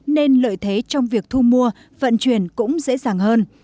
nên lợi thế trong việc thu mua vận chuyển cũng dễ dàng hơn